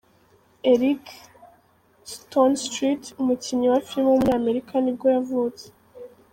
Eric Stonestreet, umukinnyi wa filime w’umunyamerika nibwo yavutse.